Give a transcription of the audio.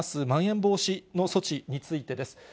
まん延防止の措置についてです。